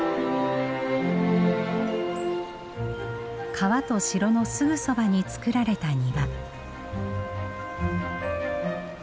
川と城のすぐそばに作られた庭。